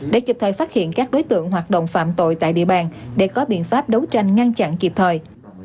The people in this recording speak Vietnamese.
để kịp thời phát hiện các đối tượng hoạt động phạm tội tại địa bàn để có biện pháp đấu tranh ngăn chặn kịp thời